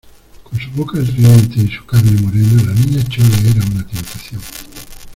con su boca riente y su carne morena, la Niña Chole era una tentación.